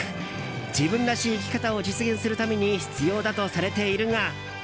自分らしい生き方を実現するために必要だとされているが。